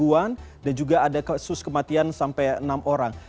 oke ada empat an dan juga ada kasus kematian sampai enam orang